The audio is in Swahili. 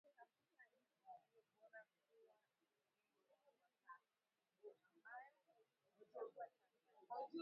Kutafuta nchi iliyo bora kuwa mwenyeji wa taasisi hiyo, ambayo iliichagua Tanzania .